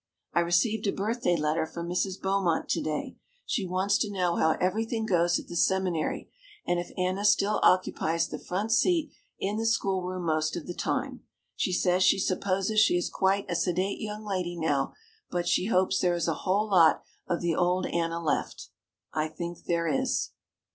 I received a birthday letter from Mrs. Beaumont to day. She wants to know how everything goes at the Seminary and if Anna still occupies the front seat in the school room most of the time. She says she supposes she is quite a sedate young lady now but she hopes there is a whole lot of the old Anna left. I think there is.